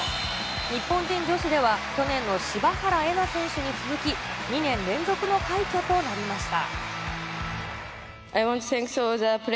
日本人女子では去年のしばはらえな選手に続き、２年連続の快挙となりました。